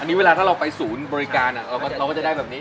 อันนี้เวลาถ้าเราไปศูนย์บริการเราก็จะได้แบบนี้